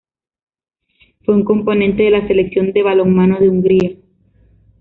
Fue un componente de la selección de balonmano de Hungría.